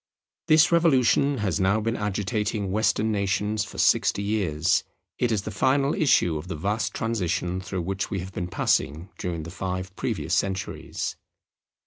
This revolution has now been agitating Western nations for sixty years. It is the final issue of the vast transition through which we have been passing during the five previous centuries.